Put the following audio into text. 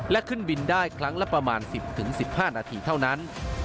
และขึ้นบินได้ครั้งละประมาณ๑๐๑๕นาทีเท่านั้น